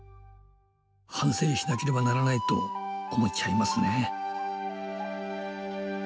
反省しなければならないと思っちゃいますね。